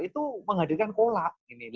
itu menghadirkan kolak